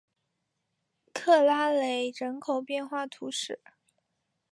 克拉雷人口变化图示